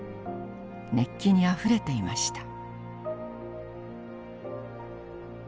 熱気にあふれていました。